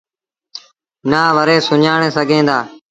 نآ وري سُڃآڻي سگھينٚ دآ